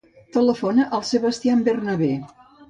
Telefona al Sebastian Bernabe.